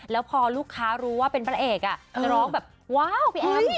แล้วพอลูกค้ารู้ว่าเป็นพระเอกร้องแบบว้าวพี่แอม